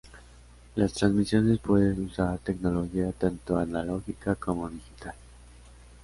Las transmisiones pueden usar tecnología tanto analógica como digital.